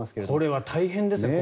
これは大変ですよ。